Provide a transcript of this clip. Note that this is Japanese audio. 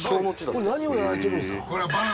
これ何をやられてるんですか？